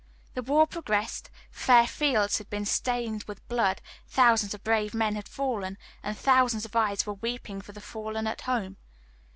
The war progressed, fair fields had been stained with blood, thousands of brave men had fallen, and thousands of eyes were weeping for the fallen at home.